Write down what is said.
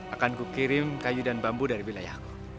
akanku kirim kayu dan bambu dari wilayahku